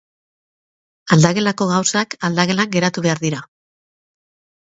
Aldagelako gauzak, aldagelan geratu behar dira.